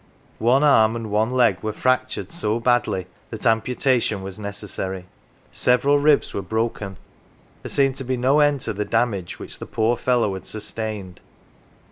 One arm and one leg were fractured so badly that ampu tation was necessary : several ribs were broken : there seemed to be no end to the damage which the poor fellow had sustained.